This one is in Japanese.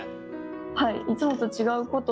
はい。